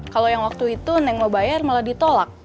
kalau yang waktu itu neng mau bayar malah ditolak